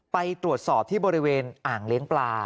ไปตรวจสอบที่บริเวณอ่างเลี้ยงปลา